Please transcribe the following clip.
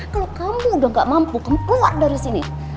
kalau kamu udah gak mampu kamu keluar dari sini